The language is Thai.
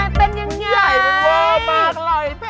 ใหญ่มากเลยแม่